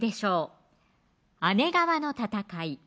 姉川の戦い